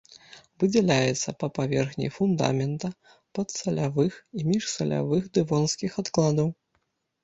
Выдзяляецца па паверхні фундамента, падсалявых і міжсалявых дэвонскіх адкладаў.